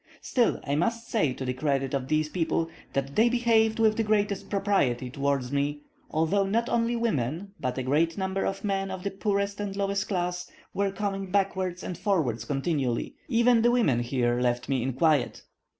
Still, I must say, to the credit of these people, that they behaved with the greatest propriety towards me, although not only women, but a great number of men of the poorest and lowest class, were coming backwards and forwards continually; even the women here left me in quiet.